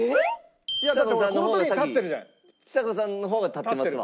ちさ子さんの方が立ってますわ。